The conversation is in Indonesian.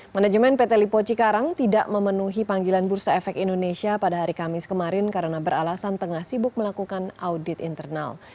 manajemen pt lipo cikarang tidak memenuhi panggilan bursa efek indonesia pada hari kamis kemarin karena beralasan tengah sibuk melakukan audit internal